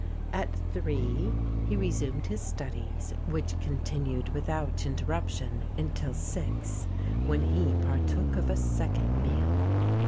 At three he resumed his studies, which continued without interruption until six when he partook of a second meal.